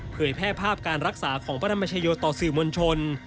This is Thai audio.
แพร่ภาพการรักษาของพระธรรมชโยชนต่อสื่อมวลชน